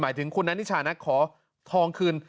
ถึงคุณนานิชานะขอทองคืน